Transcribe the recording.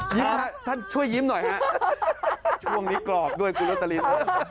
ยิ้มค่ะท่านช่วยยิ้มหน่อยค่ะช่วงนี้กรอบด้วยกุโลตริน